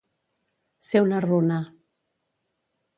Ser una runa.